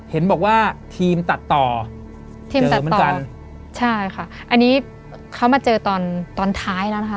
เห็นบอกว่าทีมตัดต่อทีมตัดต่อกันใช่ค่ะอันนี้เขามาเจอตอนตอนท้ายแล้วนะคะ